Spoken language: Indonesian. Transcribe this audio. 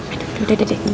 aduh udah udah